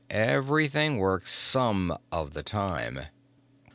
"Everything works some of the time.